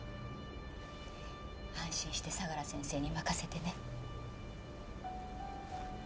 安心して相良先生に任せてね。